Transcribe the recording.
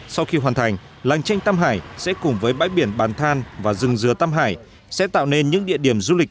sau khi hoàn thành làng tranh tâm hải sẽ cùng với bãi biển bàn than và rừng dừa tâm hải sẽ tạo nên những địa điểm du lịch